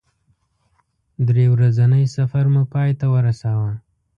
درې ورځنی سفر مو پای ته ورساوه.